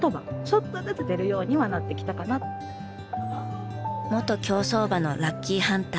元競走馬のラッキーハンター。